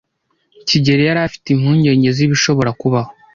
kigeli yari afite impungenge z'ibishobora kubaho.